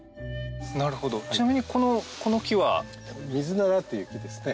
なるほどちなみにこの木は？っていう木ですね。